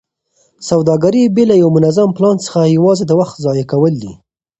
سوداګري بې له یوه منظم پلان څخه یوازې د وخت ضایع کول دي.